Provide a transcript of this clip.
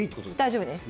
大丈夫です。